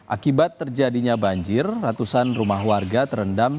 akibat terjadinya banjir ratusan rumah warga terendam